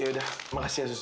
ya udah makasih ya sus